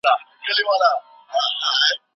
لارښود د شاګردانو لیکني ارزوي.